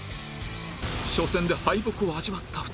初戦で敗北を味わった２人